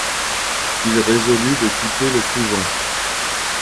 Il résolut de quitter le couvent.